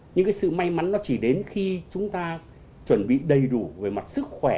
nhưng cái sự may mắn nó chỉ đến khi chúng ta chuẩn bị đầy đủ về mặt sức khỏe